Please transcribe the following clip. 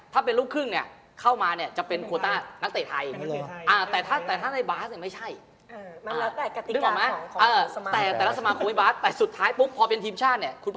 แต่ในหลีกพี่บ๊าสมันมีโคต้าเหมือน